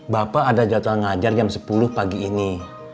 bapak ada jadwal ngajar jam sepuluh pagi ini